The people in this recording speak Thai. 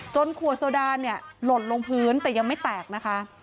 ขวดโซดาเนี่ยหล่นลงพื้นแต่ยังไม่แตกนะคะ